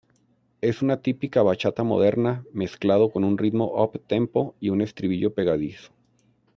Es una típica bachata moderna mezclado con un ritmo up-tempo y un estribillo pegadizo.